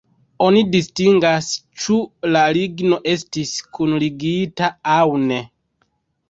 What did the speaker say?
Oni distingas, ĉu la ligno estis kunligita aŭ ne.